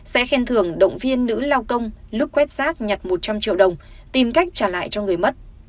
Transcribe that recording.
sẽ khen thưởng động viên nữ lao công lúc quét rác nhặt một trăm linh triệu đồng tìm cách trả lại cho người mất